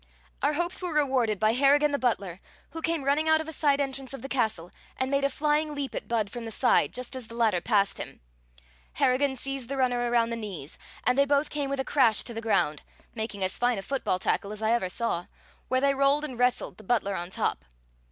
Our hopes were rewarded by Harrigan the butler, who came running out of a side entrance of the castle and made a flying leap at Budd from the side, just as the latter passed him. Harrigan seized the runner around the knees, and they both came with a crash to the ground (making as fine a football tackle as I ever saw), where they rolled and wrestled, the butler on top.